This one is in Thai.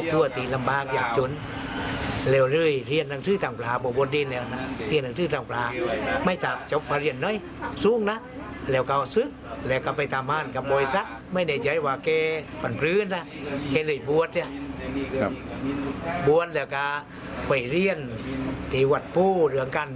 กว่าพระรูปนี้ก็เป็นสำนักสงฆ์